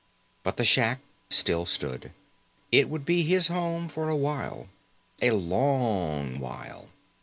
But the shack still stood. It would be his home for a while. A long while.